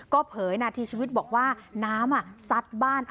ก็เผยนาทีชีวิตบอกว่าน้ำซัดบ้าน